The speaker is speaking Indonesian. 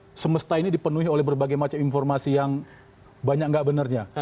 nah semesta ini dipenuhi oleh berbagai macam informasi yang banyak nggak benarnya